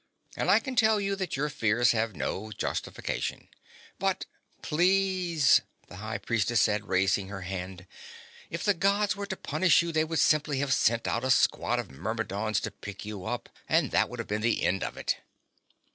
"And I can tell you that your fears have no justification." "But " "Please," the High Priestess said, raising a hand. "If the Gods were to punish you, they would simply have sent out a squad of Myrmidons to pick you up, and that would have been the end of it."